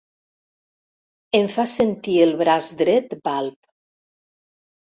Em fa sentir el braç dret balb.